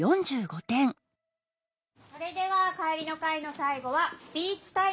それでは帰りの会のさい後はスピーチタイムです今日は。